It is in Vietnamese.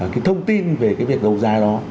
cái thông tin về cái việc đấu giá đó